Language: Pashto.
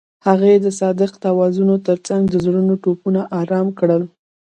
هغې د صادق اوازونو ترڅنګ د زړونو ټپونه آرام کړل.